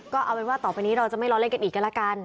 ก็เอาเป็นว่าต่อไปนี้เราจะไม่ล้อเล่นกันอีกก็แล้วกัน